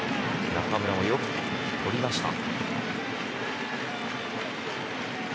中村もよく捕りました。